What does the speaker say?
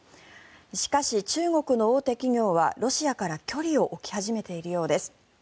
しかし、中国の大手企業はロシアから距離を置き始めているようです。